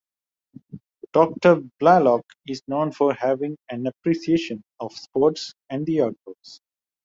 Doctor Blalock is known for having an appreciation of sports and the outdoors.